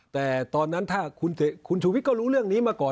แต่ตอนนั้นถ้าคุณชูวิทย์ก็รู้เรื่องนี้มาก่อน